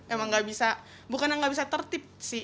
emang gak bisa bukan yang gak bisa tertip sih